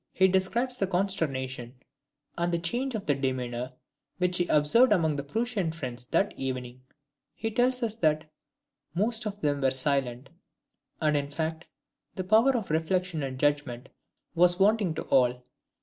He describes the consternation and the change of demeanour which he observed among his Prussian friends that evening, he tells us that "most of them were silent; and, in fact, the power of reflection and judgment was wanting to all.